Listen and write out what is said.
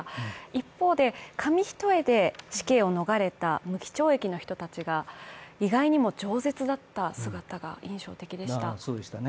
一方で、紙一重で死刑を逃れた無期懲役の人たちが意外にもじょう舌だった姿が印象的でした。